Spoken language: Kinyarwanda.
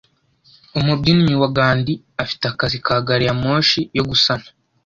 Umubyinnyi wa Gandy afite akazi ka gari ya moshi yo gusana